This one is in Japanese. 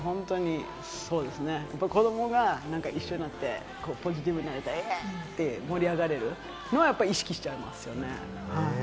やっぱり子どもが一緒にいてポジティブになれたり、イェイ！って盛り上がれる、それは意識しちゃいますね。